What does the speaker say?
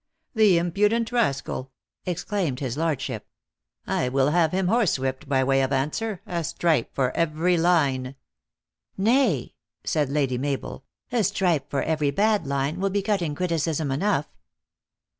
"The impudent rascal!" exclaimed his lordship. " I will have him horsewhipped by way of answer, a stripe for every line." " Nay," said Lady Mabel, " a stripe for every bad line will be cutting criticism enough."